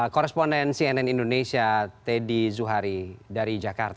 koresponden cnn indonesia teddy zuhari dari jakarta